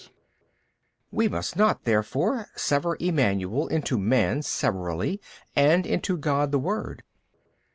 We must not therefore sever Emmanuel into man severally and into God the Word.